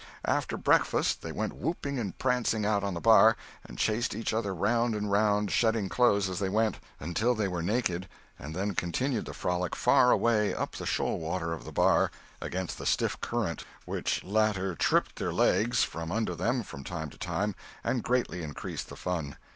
After breakfast they went whooping and prancing out on the bar, and chased each other round and round, shedding clothes as they went, until they were naked, and then continued the frolic far away up the shoal water of the bar, against the stiff current, which latter tripped their legs from under them from time to time and greatly increased the fun.